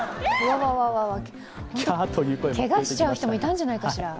けがしちゃう人もいたんじゃないかしら。